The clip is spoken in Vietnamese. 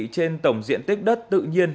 trên tổng diện tích đất tự nhiên